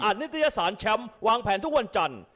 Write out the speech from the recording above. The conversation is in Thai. นิตยสารแชมป์วางแผนทุกวันจันทร์